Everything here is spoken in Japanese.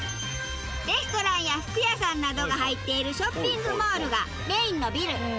レストランや服屋さんなどが入っているショッピングモールがメインのビル。